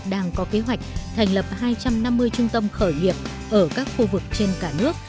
đang có kế hoạch thành lập hai trăm năm mươi trung tâm khởi nghiệp ở các khu vực trên cả nước